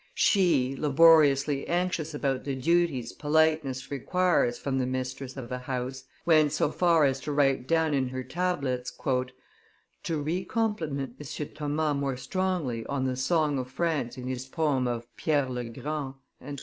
She, laboriously anxious about the duties politeness requires from the mistress of a house, went so far as to write down in her tablets "To recompliment M. Thomas more strongly on the song of France in his poem of Pierre le Grand."